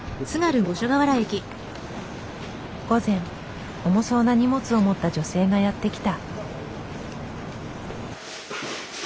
午前重そうな荷物を持った女性がやって来た。